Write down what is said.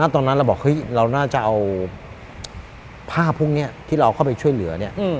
ตอนนั้นเราบอกเราน่าจะเอาภาพพวกนี้ที่เราเข้าไปช่วยเหลือ